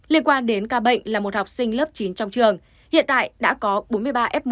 liên quan đến ca bệnh là một học sinh lớp chín trong trường hiện tại đã có bốn mươi ba f một